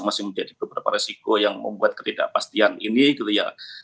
masih menjadi beberapa resiko yang membuat ketidakpastian ini gitu ya